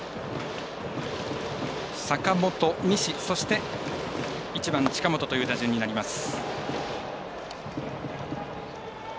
坂本、西、そして１番、近本という打順になります。